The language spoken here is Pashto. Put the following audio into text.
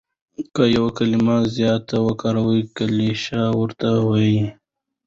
که یو کلیمه زیاته وکاروې کلیشه ورته وايي.